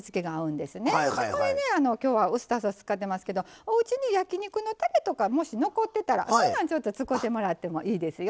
これね今日はウスターソース使ってますけどおうちに焼き肉のたれとかもし残ってたらそんなん使うてもらってもいいですよ。